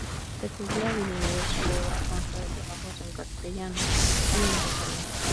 De cultura bilingüe, su obra consta de trabajos en castellano y en catalán.